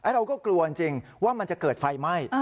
เราก็กลัวจริงว่ามันจะเกิดไฟไหม้